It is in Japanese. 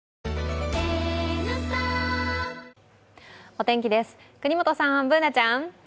お天気です、國本さん、Ｂｏｏｎａちゃん。